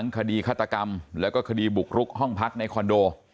คดีฆาตกรรมแล้วก็คดีบุกรุกห้องพักในคอนโด